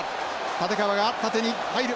立川が縦に入る